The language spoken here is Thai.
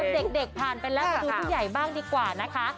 ต้องถามเด็กผ่านไปแล้วดูที่ใหญ่บ้างดีกว่านะคะ